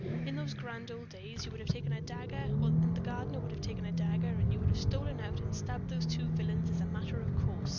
In those grand old days you would have taken a dagger, and the gardener would have taken a dagger, and you would have stolen out, and stabbed those two villains as a matter of course.